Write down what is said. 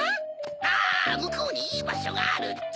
あむこうにいいばしょがあるっちゃ。